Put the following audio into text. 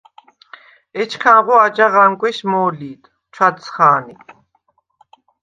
ეჩქანღო აჯაღ ანგვეშ მო̄ლიდ, ჩვადცხა̄ნე.